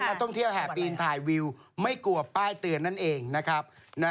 นักท่องเที่ยวแห่ปีนถ่ายวิวไม่กลัวป้ายเตือนนั่นเองนะครับ